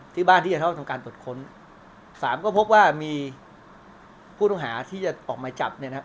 ที่บ้านที่จะทำการตรวจค้นสามก็พบว่ามีผู้ต้องหาที่จะออกหมายจับเนี่ยนะครับ